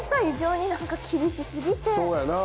そうやな。